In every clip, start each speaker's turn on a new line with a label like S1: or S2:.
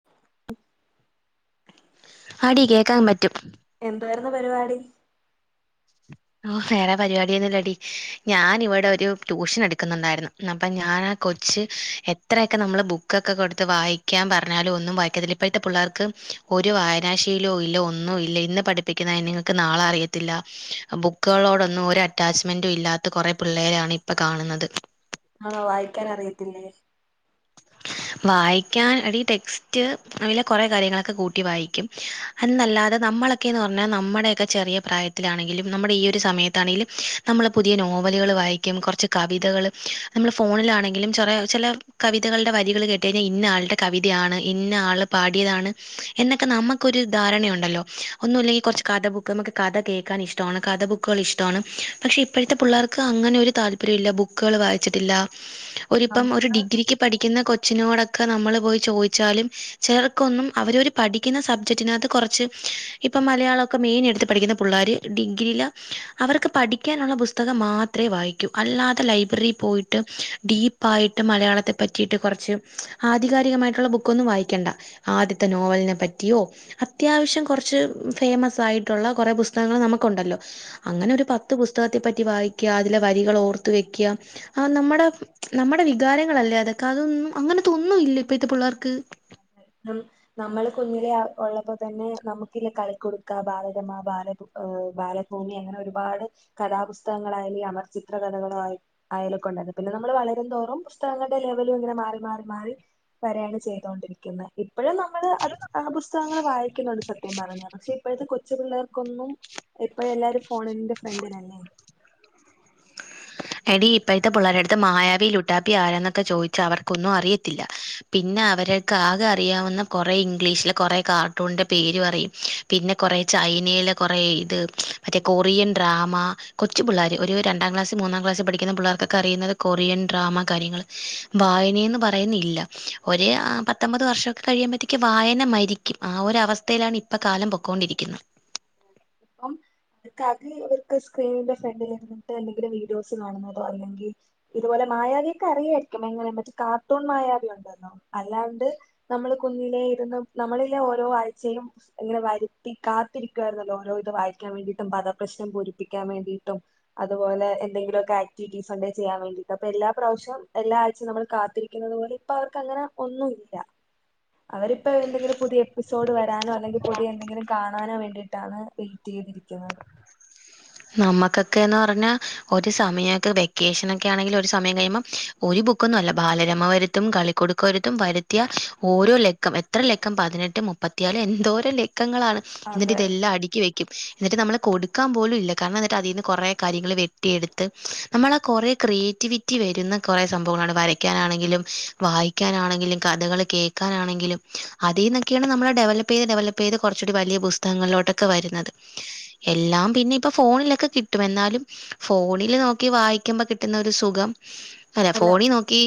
S1: [inaudible]
S2: അടി കേക്കാൻ പറ്റും.
S1: എന്തുലയിരുന്നു പരിപാടി. [inaudible]
S2: ഓഹ് വേറെ പരിപാടിയൊന്നുല്ലടി ഞാൻ ഇവിടെ ഒരു ട്യൂഷൻ എടുക്കുന്നുണ്ടായിരുന്നു. അപ്പ ഞനാ കൊച്ച് എത്രയൊക്കെ നമ്മള് ബുക്കക്ക കൊടുത്ത് വായിക്കാൻ പറഞ്ഞാലും ഒന്നും വായിക്കത്തില്ല. ഇപ്പഴത്തെ പിള്ളേർക്ക് ഒരു വായനാശീലോ ഇല്ല ഒന്നും ഇല്ല ഇന്ന് പഠിപ്പിക്കുന്ന നിങ്ങൾക്ക് നാളെ അറിയത്തില്ല. ബുക്കുകളോടൊന്നും ഒര അറ്റാച്ച്മെന്റും ഇല്ലാത്ത കുറെ പിള്ളേരെയാണ്. ഇപ്പൊ കാണുന്നത്.
S1: ആണോ വായിക്കാൻ അറിയത്തില്ലേ?
S2: വായിക്കാൻ എടി ടെക്സ്റ്റ് വല്യ കൊറെ കാര്യങ്ങളൊക്കെ കൂട്ടി വായിക്കും എന്നല്ലാതെ നമ്മളൊക്കെന്ന് പറഞ്ഞാ നമ്മുടെയൊക്കെ ചെറിയ പ്രായത്തിലാണെങ്കിലും നമ്മുടെ ഈ ഒരു സമയത്താണെങ്കിലും. നമ്മൾ പുതിയ നോവലുകള് വായിക്കും. കുറച്ച് കവിതകൾ നമ്മൾ ഫോണിലാണെങ്കിലും ചെറേ ചെല കവിതകളുടെ വരി വരികള് കേട്ട് കഴിഞ്ഞാ ഇന്ന ആളുടെ കവിതയാണ്. ഇന്ന ആള്പാടിയതാണ്. എന്നൊക്കെ നമക്കൊരു ധാരണയുണ്ടല്ലോ? ഒന്നുമില്ലെങ്കിൽ കുറച്ച് കഥ ബുക്ക് നമുക്ക് കഥ കേൾക്കാൻ ഇഷ്ടമാണ് കഥ ബുക്കുകൾ ഇഷ്ടമാണ് പക്ഷെ ഇപ്പോഴത്തെ പിള്ളേർക്ക്. അങ്ങനെ താല്പര്യില്ല ബുക്കുകൾ വായിച്ചിട്ടില്ല ഒപ്പം ഒരു
S1: നമുക്ക്
S2: ഡിഗ്രിക്ക് പഠിക്കുന്ന കൊച്ചിനോടൊക്കെ നമ്മള് പോയി ചോദിച്ചാലും ചെലർക്കൊന്നും അവര് പഠിക്കുന്ന സബ്ജക്റ്റിനകത്ത് കുറച്ച്. ഇപ്പം മലയാളമൊക്കെ മെയിൻ എടുത്ത് പഠിക്കുന്ന പിള്ളേർ ഡിഗ്രിയില് അവർക്ക് പഠിക്കാനുള്ള പുസ്തകം മാ ത്രേ വായിക്കും അല്ലാതെ ലൈബ്രറി പോയിട്ട് ഡീപ്പായിട്ട് മലയാളത്തെ പറ്റിയിട്ട് കുറച്ച് ആധികാരികമായിട്ടുള്ള ബുക്കൊന്നും വായിക്കണ്ട ആദ്യത്തെ നോവലിനെ പറ്റിയോ അത്യാവശ്യം കുറച്ച് ഫേമസ് ആയിട്ടുള്ള കുറെ പുസ്തകങ്ങൾ നമുക്കുണ്ടല്ലോ അങ്ങനെ ഒരു പത്ത് പുസ്തകത്തെ പറ്റി വായിക്കുക അതിലെ വരികൾ ഓർത്ത് വെക്ക ആഹ് നമ്മുടെ നമ്മുടെ വികാരങ്ങളല്ലേ അതൊക്കെ അതൊന്നും അങ്ങനെ തൊന്നും ഇല്ല ഇപ്പഴത്തെ പിള്ളേർക്ക്
S1: അത് നമ്മള് കുഞ്ഞിലെ ഉള്ളപ്പോ തന്നെ നമുക്കില്ല കളിക്കുടുക്കാ ബാലരമാ ബാലഭൂമി ഏഹ് ബാലഭൂമി അങ്ങനെ ഒരുപാട് കഥാപുസ്തകങ്ങളായാലും അമർചിത്ര കഥകളും ആയി അയലകൊണ്ടത് പിന്നെ നമ്മള് വളരും തോറും പുസ്തകങ്ങളുടെ ലെവലും ഇങ്ങനെ മാറി മാറി മാറി വരയാണ് ചെയ്യുന്നത് തേണ്ടിരിക്കുന്നത് ഇപ്പോഴും നമ്മള് ആ പുസ്തകങ്ങൾ വായിക്കുന്നുണ്ട് സത്യം പറഞ്ഞ പക്ഷെ ഇപ്പോഴത്തെ കൊച്ചു പിള്ളേർക്കൊന്നും ഇപ്പോഴും എല്ലാവരും ഫോണ്ൻ്റെ ഫ്രണ്ടിലല്ലേ
S2: എടി ഇപ്പോഴത്തെ പിള്ളരെടുത്ത് മായാവി ലുട്ടാപ്പി ആരാന്നൊക്കെ ചോദിച്ച അവർക്കൊന്നും അറിയത്തില്ല പിന്നെ അവര്ക്ക് ആകെ അറിയാവുന്ന കുറെേ ഇംഗ്ലീഷില് കുറെ കാർട്ടൂണിന്റെ പേര് അറിയും പിന്നെ കുറേ ചൈനയിലെ കുറേ ഇത് മറ്റേ കൊറിയൻ ഡ്രാമ കൊ കൊച്ചു പിള്ളേര് ഒരു രണ്ടാംക്ലാസ് മന്നാം ക്ലാസ് പഠിക്കുന്ന പിള്ളേർക്കൊക്കെ അറിയുന്നത് കൊറിയൻ ഡ്രാമ കാര്യങ്ങള് വായനാന്ന് പറയുന്നില്ല ഒരു പത്തൊമ്പത് വർഷം ഒക്കെ കഴിയുമ്പോഴത്തേക്കും വായന മരിക്കും ആ ഒരു അവസ്ഥയിലാണ് ഇപ്പൊ കാലം പൊയ്ക്കൊണ്ടിരിക്കുന്നത്
S1: അപ്പം അതൊക്കെ ഇവർക്ക് സ്ക്രീനിന്റെ ഫ്രണ്ടിലിട്ട് എന്തെങ്കിലും വീഡിയോസ് കാണുന്നതോ അല്ലെങ്കിൽ ഇതുപോലെ മായാവിയൊക്കെ അറിയായിരിക്കും എങ്ങനെ മറ്റേ കാർട്ടൂൺ മായാവി ഉണ്ടെന്നോ അല്ലാണ്ട് നമ്മള് കുഞ്ഞിലെ ഇരുന്ന് നമ്മളിലെ ഓരോ ആഴ്ചയും ഇങ്ങനെ വരുത്തി കാത്തിരിക്കും രുന്നല്ലോ ഓരോ ഇത് വായിക്കൻ വേണ്ടിട്ടും പദപ്രശ്നം പൂരിപ്പിക്കാൻ വേണ്ടിയിട്ടും അതുപോലെ എന്തെങ്കിലുമൊക്കെ ആക്ടിവിറ്റീസ് ഉണ്ടേ ചെയ്യാൻ വേണ്ടിയിട്ട് അപ്പൊ എല്ലാ പ്രാവശ്യം എല്ലാ ആഴ്ചയും നമ്മള് കാത്തിരിക്കുന്നത് പോലെ ഇപ്പൊ അവർക്ക് അങ്ങനെ ഒന്നും ഇല്ല അവരിപ്പോ എന്തെങ്കിലും പുതിയ എപ്പിസോഡ് വരാനോ അല്ലെങ്കിൽ പുതിയ എന്തെങ്കിലും കാണാനോ വേണ്ടിട്ട് ട്ടാണ് വെയിറ്റ് ചെയ്തിരിക്കുന്നത്
S2: നമ്മുക്കൊക്കെന്ന് പറഞ്ഞാ ഒരു സമയൊക്കെ വെക്കേഷൻ ഒക്കെ ആണെങ്കിൽ ഒരു സമയം കഴിയുമ്പം ഒരു ബുക്കൊന്നും അല്ല ബാലരമവരുത്തും കളിക്കൊടുക്കവരുത്തും വരുത്തിയ ഓരോ ലെക്കം എത്ര ലക്കം പതിനെട്ട് മുപ്പത്തിയാല് എന്തോരം ലേക്കങ്ങളാണ്
S1: അതെ
S2: എന്നിട്ട് ഇതെല്ലാം അടുക്കി വെക്കും എന്നിട്ട് നമ്മള് കൊടുക്കാൻ പോലും ഇല്ല കാരണം എന്നിട്ട് അതിൽ നിന്ന് കുറെ കാര്യങ്ങൾ വെട്ടിയെടുത്ത് നമ്മള് കുറേ ക്രിയേറ്റിവിറ്റി വരുന്ന കുറേ സംഭവങ്ങളാണ് വരക്കുന്നത് ണെങ്കിലും വായിക്കാനാണെങ്കിലും കഥകൾ കേൾക്കാനാണെങ്കിലും അതിൽന്നൊക്കെയാണ് നമ്മളെ ഡെവലപ്പ് ഡെവലപ്പ് ചെയ്തു ഡെവലപ്പ് ചെയ്ത് കുറച്ചൂടി വലിയ പുസ്തകങ്ങളോട്ടൊക്കെ വരുന്നത്
S1: [inaudible]
S2: എല്ലാം പിന്നെ ഇപ്പൊ ഫോണിലൊക്കെ കിട്ടും എന്നാലും ഫോണില് നോക്കി വായിക്കുമ്പോ കിട്ടുന്ന ഒരു സുഖം അല്ല ഫോണിൽ നോക്കി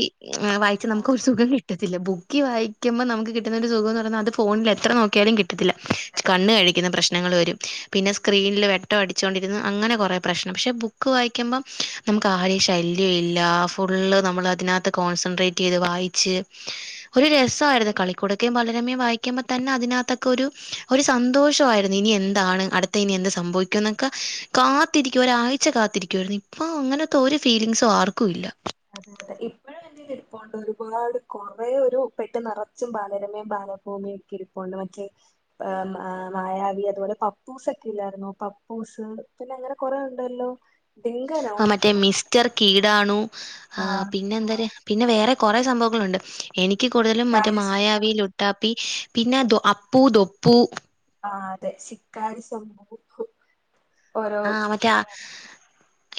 S2: വായിച്ച്
S1: ആഹ്
S2: നമുക്ക് ഒരു സുഖം കി കിട്ടത്തില്ല ബുക്ക് നോക്കിവായിക്കുമ്പൾ നമുക്ക് കിട്ടുന്ന സുഖംന്ന് പറഞ്ഞാ അത് ഫോണിൽ എത്ര നോക്കിയാലും കി ട്ടത്തില്ല
S1: അതെ
S2: കണ്ണ് കഴിക്കുന്ന പ്രശ്നങ്ങൾ വരും പിന്നെ സ്ക്രീനിൽ വെട്ട വച്ചൊണ്ടിരുന്ന് അങ്ങനെ കുറേ പ്രശ്നം പക്ഷെ ബുക്ക് വായിക്കുമ്പൾ നമുക്ക് ആരെയും ശല്യല്ല ഫുള്ള് നമ്മള് അതിനകത്ത് കോൺസെൻട്രേറ്റ് ചെയ്ത് വായിച്ച് ഒരു രസമായിരുന്നു കളിക്കൂടക്കെയും ബാലരമയും വായിക്കുമ്പോ തന്നെ അതിനകത്തൊക്കെ ഒരു ഒരു സന്തോഷമായിരുന്നു ഇനി എന്താണ് അടുത്തത് ഇനി എന്ത് സംഭവിക്കും ക്ക കാത്തിരിക്കും ഒരാഴ്ച്ച കാത്തിരിക്കുവായിരുന്നു ഇപ്പൊ അങ്ങനത്തെ ഒരു ഫീലിംഗ്സും ആർക്കും ഇല്ല
S1: അതെ അതെ ഇപ്പഴും ഇരുപ്പുണ്ട് ഒരുപാട് കൊറേ ഒരു പെട്ടി നെറച്ചും ബാലരമയും ബാലഭൂമിയും ഒക്കെ ഇരിപ്പുണ്ട് മറ്റേ ഏഹ് മ് മായാവി അതുപോലെ പപ്പൂസൊക്കെ ഇല്ലായിരുന്നോ പപ്പൂസ് പിന്നങ്ങനെ കൊറേ ഉണ്ടല്ലോ ഡിങ്കനോ
S2: ആഹ് മറ്റേ മിസ്റ്റർ കീടാണു ആഹ് പിന്നെന്തെര് പിന്നെ വേറെ കൊറെ സംഭവങ്ങളുണ്ട് എനിക്ക് കൂടുതലും മറ്റേ
S1: കാരി ശം
S2: മായാവി ലു ട്ടാപ്പി പിന്നെ ദൊ അപ്പൂ ദൊപ്പൂ
S1: ആഹ് അതെ ശിക്കാരി ശംഭൂ
S2: ആഹ് മറ്റേ ആ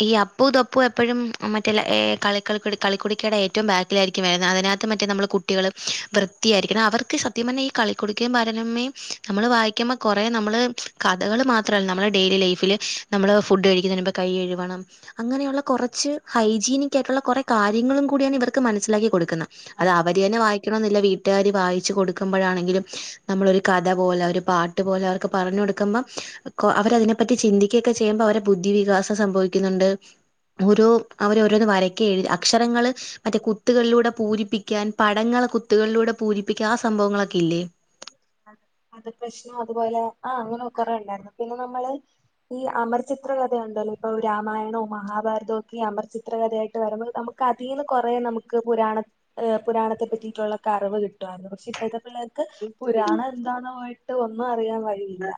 S2: ഈ അപ്പു ദൊപ്പു എപ്പഴും മറ്റെ ലെ ഏഹ് കളിക്കൾ കുടി കളിക്കുടിക്കേടെ ഏറ്റവും ബാ ക്കിലായിരിക്കും വരണെ അതിനകത്ത് മറ്റേ നമ്മള് കുട്ടികള് വൃത്തിയായിരിക്കണം അവർക്ക് സത്യം പറഞ്ഞെ ഈ കളിക്കുടുക്കേം ബാലരമയും നമ്മള് വായിക്കുമ്പ കൊറെ നമ്മള് കഥകള് മാത്രല്ല നമ്മളെ ഡെയിലി ലൈഫില് നമ്മള് ഫുഡ് കഴിക്കുന്നേന് മുമ്പേ കൈ കഴുവണം അങ്ങനെയുള്ള കൊറച്ച് ഹൈജീനിക് ആയിട്ടുള്ള കൊറെ കാര്യങ്ങളും കൂടിയാണ് ഇവർക്ക് മനസ്സിലാക്കി കൊടുക്കുന്നെ അത് അവരെന്നെ വായിക്കണോന്നില്ല വീട്ടാര് വായിച്ചു കൊടുക്കുമ്പഴാണെങ്കിലും നമ്മളൊരു കഥ പോലെ ഒരു പാട്ട് പോലെ അവർക്ക് പറഞ്ഞു കൊടുക്കുമ്പം കൊ അവരതിനെപ്പറ്റി ചിന്തി ക്കേക്ക ചെയ്യുമ്പ അവരെ ബുദ്ധി വികാസം സംഭവിക്കുന്നുണ്ട് ഓരോ അവര് ഓരോന്ന് വരയ്ക്കേം എഴ് അക്ഷരങ്ങള് അതെ കുത്തുകളിലൂടെ പൂരിപ്പിക്കാൻ പടങ്ങൾ കുത്തുകളിലൂടെ പൂരിപ്പിക്കാ ആ സംഭവങ്ങളൊക്കെ ഇല്ലേ
S1: പദപ്രശ്നം അതുപോലെ ആഹ് അങ്ങനെ കൊറേണ്ടായിരുന്ന് പിന്നെ നമ്മള് ഈ അമർച്ചിത്ര കഥയൊണ്ടല്ലോ ഇപ്പൊ ഒരു രാമായണോം മഹാഭാരതോം ഒക്കെയീ അമർചിത്ര കഥയായിട്ട് വരുമ്പോ നമു ക്കതീന്ന് കൊറേ നമുക്ക് പുരാണ ഏഹ് പുരാണത്തെ പറ്റിയിട്ടുള്ളക്കറിവ് കിട്ടുവാർന്നു പക്ഷെ ഇപ്പഴത്തെ പിള്ളേർക്ക് പുരാണം എന്താന്ന് പോയിട്ട് ഒന്നും അറിയാൻ വഴിയില്ല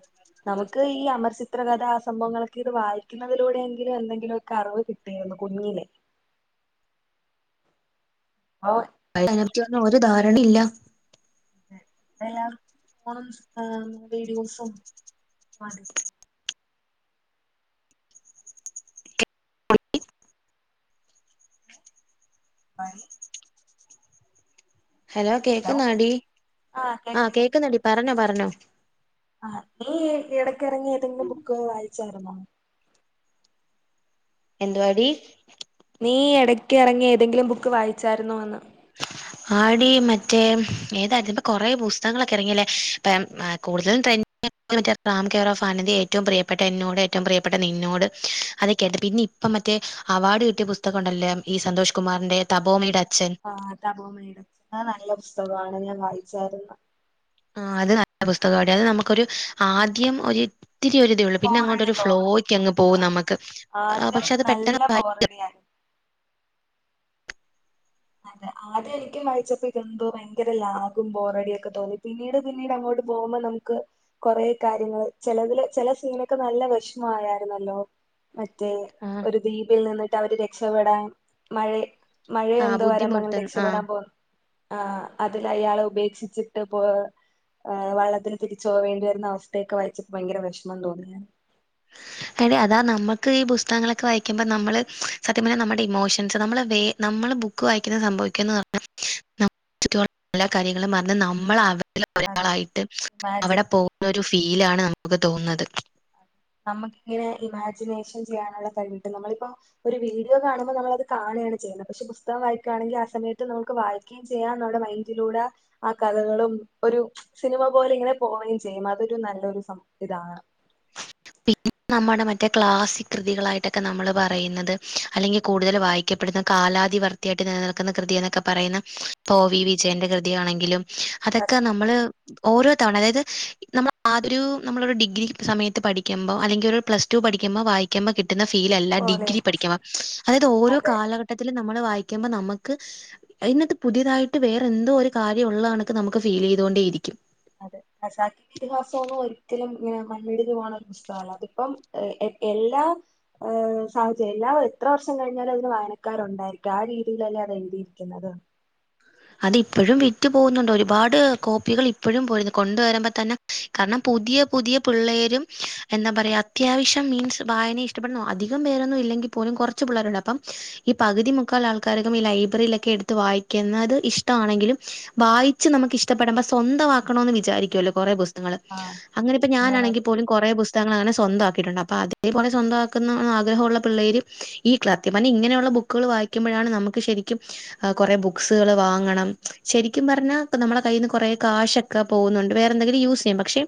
S1: നമുക്ക് ഈ അമർച്ചി ച്ചിത്രകഥാ സംഭവങ്ങളൊക്കെ ഇത് വായിക്കുന്നതിലൂടെയെങ്കിലും എന്തെങ്കിലുവൊക്കെ അറിവ് കിട്ടേരുന്നു കുഞ്ഞിലെ അപ്പൊ
S2: അയിനെപറ്റി ഒന്നും ഒരു ധാരണയില്ല
S1: ഇപ്പൊ എല്ലാവർക്കും ഫോണും വീഡിയോസും മതി മതി
S2: ഹലോ കേക്കുന്നാടി
S1: ആ
S2: ആഹ്
S1: കേക്കണ്ട്
S2: കേക്കുന്നടി പറഞ്ഞോ പറഞ്ഞോ
S1: ആഹ് ഈ ഇടയ്ക്ക് എറങ്ങിയ ഏതെങ്കിലും ബുക്ക് വായിച്ചായിരുന്നോ
S2: എന്തുവാടീ
S1: നീ എടക്ക് എറങ്ങിയ ഏതെങ്കിലും ബുക്ക് വായിച്ചായിരുന്നോന്ന്
S2: ആടി മറ്റേ ഏതായിരുന്നു ഇപ്പൊ കൊറേ പുസ്തകങ്ങളൊക്കെ എറങ്ങിയല്ലേ ഇപ്പം കൂടുതലും ട്രെൻ മറ്റെ റാം കെയർ ഓഫ് ആനന്ദി ഏറ്റോം പ്രിയപ്പെട്ട എന്നോട് ഏറ്റോം പ്രിയപ്പെട്ട നിന്നോട് അതൊക്കെ ആയിരുന്നു പിന്നി പ്പം മറ്റേ അവാർഡ് കിട്ടിയ പുസ്തകം ഒണ്ടല്ലൊ ഈ സന്തോഷ് കുമാറിന്റെ തപോമിയുടെ അച്ഛൻ
S1: ആഹ് തപോമിയുടെ അച്ഛൻ അത് നല്ല പുസ്തകാണ് ഞാൻ വായിച്ചായിരുന്നു
S2: ആഹ് അത് നല്ല പുസ്തകാഡി അത് നമ്മുക്കൊരു ആദ്യം ഒരി ത്തിരി ഒരിതേ ഉള്ളൂ പിന്നെ
S1: ബോറടി
S2: അങ്ങോട്ടൊരു
S1: തോന്നും
S2: ഫ്ലോയ്ക്കങ്ങ് പോവും
S1: ആഹ്
S2: നമ്മക്ക് അഹ്
S1: ആദ്യം
S2: പക്ഷെ അത് പെട്ടെന്ന്
S1: നല്ല
S2: [unintelligible]
S1: ബോറടിയായിരുന്നു അതെ ആദ്യം എനിക്കും വായിച്ചപ്പോ ഇതെന്തോ ഭയങ്കര ലാഗും ബോറടിയും ഒക്കെ തോന്നി പിന്നീട് പിന്നീട് അങ്ങോട്ട് പോവുമ്പം നമുക്ക് കൊറെ കാര്യങ്ങള് ചെലതില് ചെല സീനൊക്കെ നല്ല വെഷ്മം ആയാരുന്നല്ലോ മറ്റേ ഒരു ദ്വീപിൽ നിന്നിട്ട് അവര് രക്ഷപ്പെടാൻ മഴെ മഴയൊ
S2: ആഹ്
S1: ത് വര്മ്പാ അങ്ങനെ
S2: ബുദ്ധിമുട്ട് ആഹ്
S1: രക്ഷപ്പെടാൻ പോന്ന് ആഹ് അതിലയാളെ ഉപേക്ഷിച്ചിട്ട് പോ അഹ് വള്ളത്തില് തിരിച്ച് പോവേണ്ടി വരുന്ന അവസ്ഥയൊക്കെ വായിച്ചപ്പൊ ഭയങ്കര വെഷ്മം തോന്നി
S2: എടേ അതാ നമ്മക്ക് ഈ പുസ്തകങ്ങളൊക്കെ വായിക്കുമ്പൊ നമ്മള് സത്യം പറഞ്ഞാ നമ്മടെ ഇമോഷൻസ് നമ്മളെ വേ നമ്മള് ബു ബുക്ക് വായിക്കുന്നെ സംഭവിക്കുന്നെ പറഞ്ഞാ നമ്മടെ ചുറ്റുപാടും എല്ലാ കാര്യങ്ങളും പറഞ്ഞ് നമ്മള് അ തിലെ
S1: അതാ
S2: ഒരാളായിട്ട്
S1: ഇമാജ്
S2: അവിടെ പോന്നൊരു ഫീലാണ് നമുകൊക്കെ തോന്ന്ന്നത്
S1: നമ്മക്കിങ്ങനെ ഇമാജിനേഷൻ ചെയ്യാന്ള്ള കഴിവ് കിട്ടും നമ്മളിപ്പോ ഒരു വീഡിയോ കാണുമ്പോ നമ്മളത് കാണാണ് ചെയ്യുന്നെ പക്ഷെ പുസ്തകം വായിക്കയാണെങ്കിലാ സമയത്ത് നമുക്ക് വായിക്കാം ഇനി ചെയ്യാന്നൊള്ള മൈൻഡിലൂടെ ആഹ് കഥകളും ഒരു സിനിമ പോലെ ഇങ്ങനെ പോവേം ചെയ്യും അതൊരു നല്ലൊരു സം ഇതാണ്
S2: പിന്നെ നമ്മടെ മറ്റേ ക്ലാസിക് കൃതികളായിട്ടക്കെ നമ്മള് പറയ്ന്നത് അല്ലെങ്കി കൂടുതല് വായിക് ക്കപ്പെടുന്ന കാലാതിവർത്തിയായിട്ട് നിലനിൽക്ക്ന്ന കൃതിന്നക്കെ പറയ്ന്ന ഇപ്പൊ ഒ വി വിജയന്റെ കൃതിയാണെങ്കിലും അതക്കെ നമ്മള് ഓരോ തവണ അതായത് ഈ നമ്മള് ആതൊരു നമ്മളൊരു ഡിഗ്രി സമയത്ത് പഠി ക്ക്മ്പോ അല്ലെങ്കി ഒരു പ്ലസ്ടു പഠിക്കുമ്പോ വായിക്ക്മ്പോ കി ട്ട്ന്ന ഫീലല്ല
S1: പോലെ
S2: ഡിഗ്രി പഠിക്കുമ്പം അതായത് ഓരോ
S1: അതെ
S2: കാലഘട്ടത്തിലും നമ്മള് വായിക്കുമ്പോ നമ്മക്ക് അയ്നാത്ത് പുതിയതായിട്ട് വേറെന്തോ ഒരു കാര്യം ഒള്ള കണക്ക് നമുക്ക് ഫീല് ചെയ്തുകൊണ്ടേ ഇരിക്കും
S1: അതെ ഖസാക്കി ഇതിഹാസവൊന്നും ഒന്നും ഒരിക്കലും ഇങ്ങനെ മണ്ണിടിഞ്ഞ് പോകുന്ന പുസ്തകല്ല അതിപ്പം എല്ലാ ഏഹ് സാഹചര്യം എല്ലാവ എത്ര വർഷം കഴിഞ്ഞാലും അതിന് വായനക്കാരൊണ്ടായിരിക്കും ആ രീതിയിലല്ലേ അത് എഴുതിയിരിക്കുന്നത്
S2: അത് ഇപ്പഴും വിറ്റ് പോകുന്നുണ്ട് ഒരുപാട് കോപ്പികൾ ഇപ്പോഴും പോയിരുന്നു കൊണ്ട് വരുമ്പോ തന്നെ കാരണം പുതിയ പുതിയ പിള്ളേരും എന്താ പറയാ അത്യാവശ്യം മീൻസ് വായന ഇ- ഇഷ്ട്ടപ്പെടുന്നു അതികം പേരൊന്നും ഇല്ലെങ്കി പോലും കൊറച്ച് പിള്ളേരുണ്ട് അപ്പം ഈ പകുതി മുക്കാലാൾക്കാരൊക്കെ ഈ ലൈബ്രറിലക്കെ എടുത്ത് വായിക്ക്ന്നത് ഇഷ്ടവാണെങ്കിലും വായിച്ച് നമുക്ക് ഇഷ്ടപ്പെടമ്പം സൊന്തവാക്കണവെന്ന് വിചാരിക്കുവല്ലോ കൊറേ പുസ്- നിങ്ങള്
S1: ആഹ്
S2: അങ്ങനിപ്പം
S1: അങ്ങനെ ഒരു
S2: ഞാനാണെങ്കി പോലും കൊറേ പുസ്തകങ്ങളങ്ങനെ സ്വന്തവാക്കിയിട്ടുണ്ട് അപ്പൊ അതേപോലെ സ്വന്തംവാക്കന്ന അഹ് ആഗ്രഹവുള്ള പിള്ളേര് ഈ ക്ലാത്യം പറഞ്ഞാ ഇങ്ങനെയുള്ള ബുക്കുകള് വായിക്കുമ്പോഴാണ് നമുക്ക് ശരിക്കും ഏഹ് കൊറേ ബുക്സുകള് വാ ങ്ങണം ശരിക്കും പറഞ്ഞാ ഇപ്പം നമ്മടെ കയ്യീന്ന് കൊറേ കാശക്കെ പോകുന്നുണ്ട് വേറെന്തെങ്കിലും യൂസ് ചെയ്യാം പക്ഷെ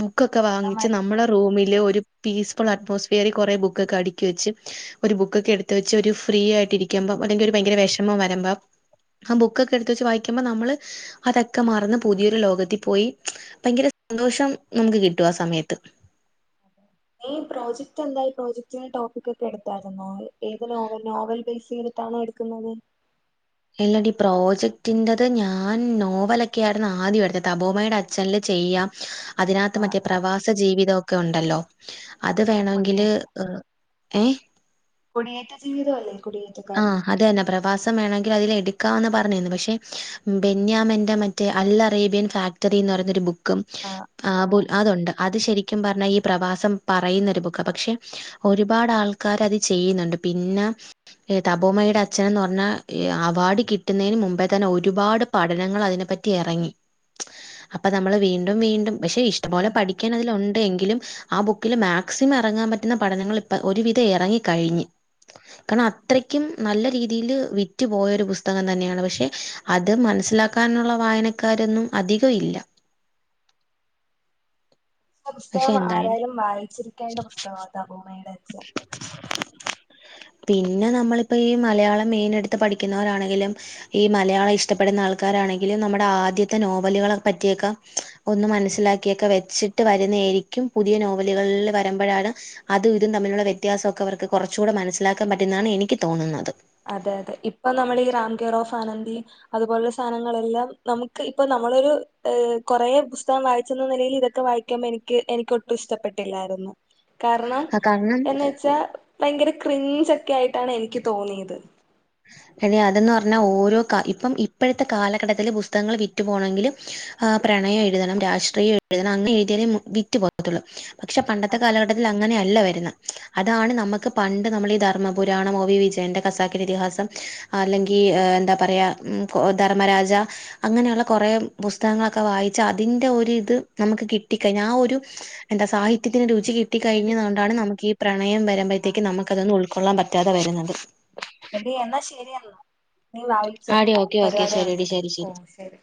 S2: ബുക്കൊക്കെ വാങ്ങിച്ച്
S1: പുസ്തകമായിരിക്കും.
S2: നമ്മടെ റൂമില് ഒരു പീസ്ഫുൾ അറ്റ്മോസ്ഫിയറി കൊറേ ബുക്കൊക്കെ അടിക്കി വെച്ച് ഒരു ബുക്കൊക്കെ എടുത്ത് വെച്ച് ഒരു ഫ്രീ ആയിട്ട് ഇരിക്കുമ്പം അല്ലെങ്കി ഒരു ഭയങ്കര വെഷമം വെര്മ്പം ബുക്കൊക്കെ എടുത്ത് വെച്ച് വായിക്കുമ്പം നമ്മള് അതക്കെ മറന്ന് പുതിയൊരു ലോകത്തി പോയി ഭയങ്കര സന്തോഷം നമുക്ക് കിട്ടും ആ സമയത്ത്
S1: ഉ ഏഹ് പ്രോജക്റ്റെന്തായി പ്രോജക്റ്റിന്റെ ടോപ്പിക്കൊക്കെ എടുത്താരുന്നോ ഏത് നോവൽ നോവൽ ബേസ് ചെയ്തിട്ടാണോ എട് ക്ക്ന്നത്
S2: ഇല്ലടീ പ്രോജക്റ്റിന്റെത് ഞാൻ നോവലക്കെയാരുന്നു ആദ്യം എടുത്തത് തപോമയുടെ ചല്ല് ചെയ്യാം അതിനാത്ത് മറ്റേ
S1: ആഹ്
S2: പ്രവാസ ജീവിതവൊക്കെ ഒണ്ടല്ലോ
S1: ആഹ്
S2: അത് വേണേങ്കില്
S1: കുടിയേറ്റ
S2: ആഹ് ഏഹ്
S1: കുടിയേറ്റ ജീവിതവല്ലേ കുടിയേ
S2: ആഹ് അതന്നെ പ്രവാസ ത്തം വേണെങ്കിലതിൽ എടുക്കാന്ന് പറഞ്ഞിരുന്നു പക്ഷെ ബെന്യാമന്റെ മറ്റേ അൽ അറേബ്യൻ ഫാക്- ത്ത്റീന്ന് പറേന്നൊരു ബുക്കും ആഹ് ബുൽ അതൊണ്ട് അത് ശെരിക്കും പറഞ്ഞാ ഈ പ്രവാസം പറയുന്നൊരു ബുക്കാ പക്ഷെ ഒരുപാട് ആൾക്കാരത് ചെയ്യ്‌ന്ന്ണ്ട് പിന്നെ ഏഹ് തപോമയുടെ അച്ഛനന്ന് പറഞ്ഞാ ഏഹ് അവാർഡ് കിട്ടുന്നേന് മുമ്പേ തന്നെ ഒരുപാട് പഠനങ്ങള് അതിനെ പറ്റി എറങ്ങി അപ്പ നമ്മൾ വീണ്ടും വീണ്ടും പക്ഷെ ഇഷ്ടം പൊലെ
S1: അതന്നെ
S2: പടി ക്കുന്നതില് ഉണ്ട് എങ്കിലും ആ ബുക്കില് മാക്സിമം എറങ്ങാം പറ്റുന്ന പഠനങ്ങൾ ഇപ്പ ഒരുവിധം എറങ്ങി കഴിഞ്ഞ് കാരണം അത്രക്കും നല്ല രീതിയില് വിറ്റ്പോയ ഒരു പുസ്തകം തന്നെണ് പക്ഷെ അത് മൻസ്സിലാ ക്കാനുള്ള വായനക്കാരൊന്നും അധിക ഇല്ല
S1: ആ
S2: പക്ഷെ
S1: പുസ്തകം
S2: എന്തായാലും
S1: ആരായാലും വായിച്ചിരിക്കേണ്ട പുസ്തകാ തബൂമയുടെ അച്ഛൻ
S2: പിന്നെ നമ്മളിപ്പ ഈ മലയാളം മെയിന് ഇട്ത്ത് പഠിക്കുന്നവരാണെങ്കിലും ഈ മലയാളം ഇഷ്ടപ്പെടുന്ന ആൾക്കാരാണെങ്കിലും നമ്മുടെ ആദ്യത്തെ നോവലുകളെ പറ്റിയൊക്ക ഒന്ന് മനസ്സിലാക്കിയൊക്ക വെച്ചിട്ട് വരുന്നായിരിക്കും പുതിയ നോവലുകൾല് വരമ്പഴാണ് അതും ഇതും തമ്മിലുള്ള വ്യത്യാസൊക്ക അവർക്ക് കൊർച് കൂടെ മനസ്സിലാക്കാൻ പറ്റുന്നതാണ് എനിക്ക് തോന്നുന്നത്
S1: അതെ അതെ ഇപ്പം നമ്മള് ഈ റംകെ റോഫ് അനന്ദി അതുപോലുള്ള സാനങ്ങളെല്ലാം നമുക്ക് ഇപ്പൊ നമ്മളൊരു കോറെ പുസ്തകം വായിച്ചെന്ന നെലയി ഇതൊക്കെ വായി ക്കുമ്പം എനിക്ക് എനിക്ക് ഒട്ടും ഇഷ്ടപ്പെട്ടില്ലായിരുന്നു കാരണം
S2: കാരണം
S1: എന്ന് വെച്ചാ ഭയങ്കര ക്രിഞ്ചൊക്കെ ആയിട്ടാണ് എനിക്ക് തോന്നിയ ത്
S2: എടി അതന്ന് പർഞ്ഞാ ഓരോ കാ ഇപ്പം ഇപ്പഴത്തെ കാലഘട്ടത്തില് പുസ്തകങ്ങള് വിറ്റു പോണങ്കില് ആ പ്രണയം എഴുതണം രാഷ്ട്രീയം എഴുതണം അങ്ങനെ എഴുതിയാലേ വിറ്റ് പോകത്തുള്ളൂ പക്ഷെ പണ്ടത്തെ
S1: ആഹ്
S2: കാല ഘട്ടത്തില് അങ്ങനെയല്ല വരുന്നെ അതാണ് നമുക്ക് പണ്ട് നമ്മള് ഈ ധർമ്മ പുരാണം ഓ വി വിജയന്റെ ഖസാക്കിന്റെ ഇതിഹാസ അല്ലെങ്കി എന്താ പറയാ ധർമ്മരാജ അങ്ങനെയുള്ള കോറെ പുസ്തകങ്ങളൊക്ക വായിച്ച അതിന്റെ ഒരി ഇത് നമുക്ക് കിട്ടിക്കഴിഞ്ഞ ആ ഒരു എന്താ സാഹിത്യത്തിന് രുചി കി ട്ടി
S1: എടി
S2: കഴിഞ്ഞത് കൊണ്ടാണ് നമുക്ക് ഈ പ്രണയം
S1: ആ
S2: വരമ്പഴത്തേക്ക് നമുക്ക് അതന്ന് ഉൾക്കൊള്ളാം പറ്റാതെ വരുന്നത്
S1: എടി എന്നാ ശരിയെന്നാ നീ വായിച്ചോ
S2: ആടി ഓക്കെ ഓക്കെ
S1: പരിവാടി
S2: ശരിയടി
S1: നടക്കട്ടെ
S2: ശരി
S1: ഓ ശരി